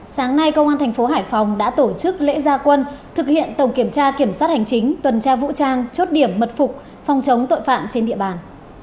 sáng nay công an thành phố hải phòng đã tổ chức lễ gia quân thực hiện tổng kiểm tra kiểm soát hành chính tuần tra vũ trang chốt điểm mật phục phòng chống tội phạm trên địa bàn